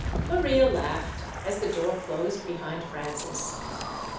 Maria laughed, as the door closed behind Francis.